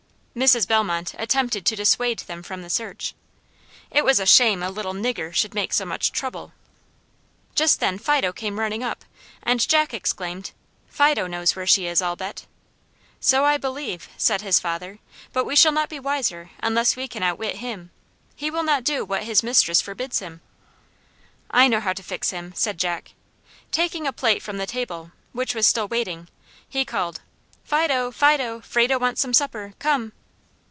Mrs. Bellmont attempted to dissuade them from the search. "It was a shame a little NIGGER should make so much trouble." Just then Fido came running up, and Jack exclaimed, "Fido knows where she is, I'll bet." "So I believe," said his father; "but we shall not be wiser unless we can outwit him. He will not do what his mistress forbids him." "I know how to fix him," said Jack. Taking a plate from the table, which was still waiting, he called, "Fido! Fido! Frado wants some supper. Come!"